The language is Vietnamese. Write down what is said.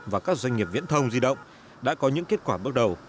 và các doanh nghiệp viễn thông di động đã có những kết quả bước đầu